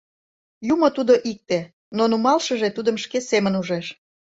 Юмо тудо икте, но нумалшыже тудым шке семын ужеш.